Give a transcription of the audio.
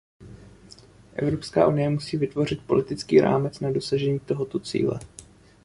Evropská unie musí vytvořit politický rámec na dosažení tohoto cíle.